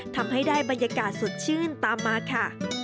ทำให้ได้บรรยากาศสดชื่นตามมาค่ะ